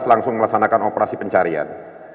pukul lima belas langsung melaksanakan operasi pencarian